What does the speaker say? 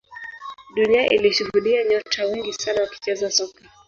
dunia ilishuhudia nyota wengi sana wakicheza soka